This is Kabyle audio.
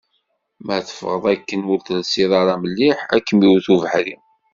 Ma teffɣeḍ akken ur telsiḍ ara mliḥ, ad kem-iwet ubeḥri.